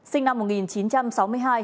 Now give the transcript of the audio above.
sinh năm một nghìn chín trăm sáu mươi hai